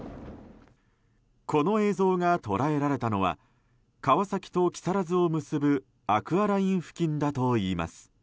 この映像が捉えられたのは川崎と木更津を結ぶアクアライン付近だといいます。